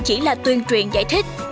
chỉ là tuyên truyền giải thích